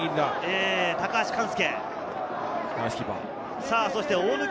高橋寛介。